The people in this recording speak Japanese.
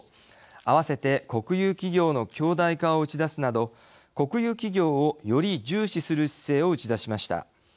併せて、国有企業の強大化を打ち出すなど国有企業をより重視する姿勢を打ち出しました。